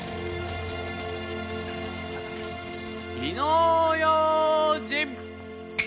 火の用心！